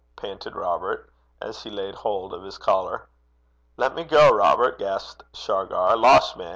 panted Robert, as he laid hold of his collar. 'Lat me gang, Robert,' gasped Shargar. 'Losh, man!